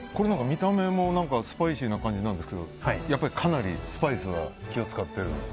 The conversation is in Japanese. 見た目もスパイシーな感じなんですけどやっぱりかなりスパイスは気を使っている？